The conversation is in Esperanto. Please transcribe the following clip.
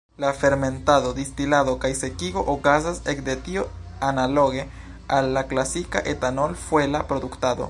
La fermentado, distilado kaj sekigo okazas ekde tio analoge al la klasika etanol-fuela produktado.